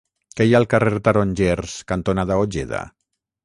Què hi ha al carrer Tarongers cantonada Ojeda?